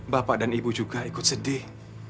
bapak dan ibu juga ikut sedih